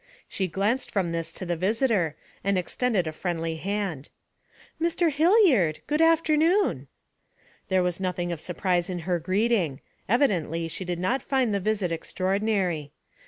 She glanced from this to the visitor, and extended a friendly hand. 'Mr. Hilliard! Good afternoon.' There was nothing of surprise in her greeting; evidently she did not find the visit extraordinary.